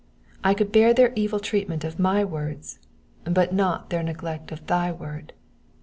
I could bear their evil treatment of my words, but not their neglect of thy word.